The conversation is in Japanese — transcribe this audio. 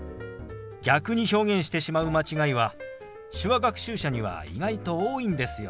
逆に表現してしまう間違いは手話学習者には意外と多いんですよ。